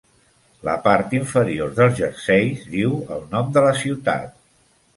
La part inferior dels jerseis diu el nom de la ciutat.